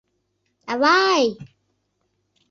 — Авай!..